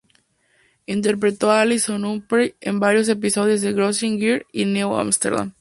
Interpretó a Alison Humphrey en varios episodios de "Gossip Girl" y en "New Amsterdam".